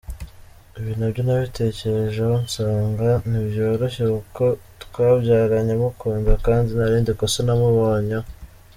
Ibi nabyo nabitekerejeho nsanga ntibyoroshye kuko twabyaranye, mukunda, kandi nta rindi kosa namubonyeho.